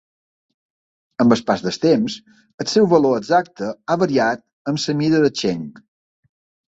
Amb el pas del temps, el seu valor exacte ha variat amb la mida del "sheng".